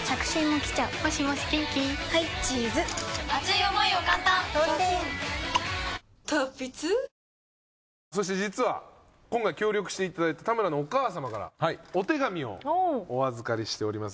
このあとそして実は今回協力していただいた田村のお母様からお手紙をお預かりしております。